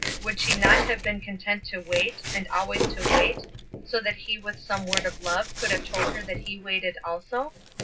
Would she not have been content to wait, and always to wait, so that he with some word of love would have told her that he waited also?